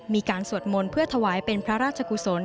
สวดมนต์เพื่อถวายเป็นพระราชกุศล